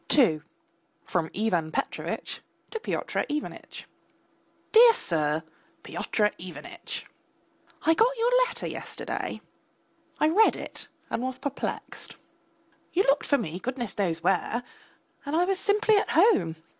II (FROM IVAN PETROVITCH TO PYOTR IVANITCH) DEAR SIR, PYOTR IVANITCH! I got your letter yesterday, I read it and was perplexed. You looked for me, goodness knows where, and I was simply at home.